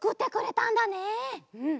うん。